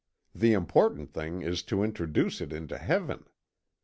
The important thing is to introduce it into Heaven.